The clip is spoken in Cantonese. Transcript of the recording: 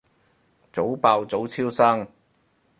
早爆早超生